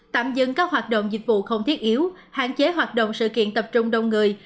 tạm dừng các hoạt động dịch vụ không thiết yếu hạn chế hoạt động sự kiện tập trung đông người